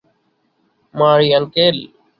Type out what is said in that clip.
মারি, আঙ্কেল।